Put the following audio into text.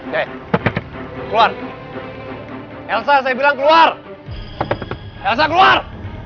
hei keluar elsa saya bilang keluar elsa keluar